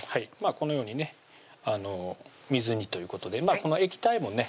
このようにね水煮ということでこの液体もね